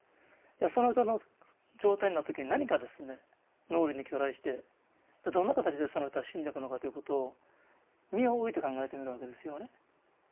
その人の状態になった時に何がですね脳裏に去来してどんな形でその人は死んでいくのかっていうことを身を置いて考えてみるわけですよね。